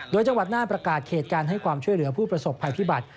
โดยจังหวัดน่านประกาศเขตการให้ความช่วยเหลือผู้ประสบภัยพิบัติ